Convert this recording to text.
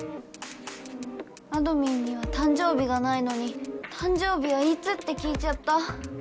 あどミンには誕生日がないのに「誕生日はいつ？」って聞いちゃった。